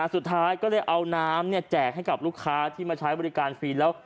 สุดท้ายก็เลยเอาน้ำแจกให้กับลูกค้าที่มาใช้บริการฟรีแล้ว